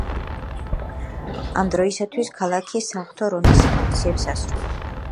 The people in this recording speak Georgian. ამ დროისათვის, ქალაქი საღვთო რომის იმპერიის ლუდსახარშის ფუნქციებს ასრულებდა.